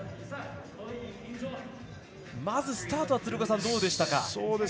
まずスタートは鶴岡さん、どうでしたか？